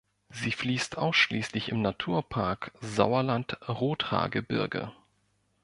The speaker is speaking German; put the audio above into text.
Sie fließt ausschließlich im Naturpark Sauerland-Rothaargebirge.